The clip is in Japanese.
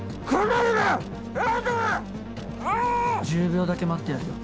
１０秒だけ待ってやるよ。